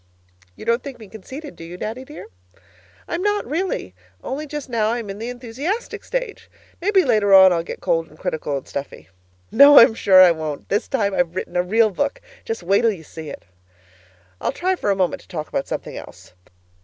You don't think me conceited, do you, Daddy dear? I'm not, really, only just now I'm in the enthusiastic stage. Maybe later on I'll get cold and critical and sniffy. No, I'm sure I won't! This time I've written a real book. Just wait till you see it. I'll try for a minute to talk about something else.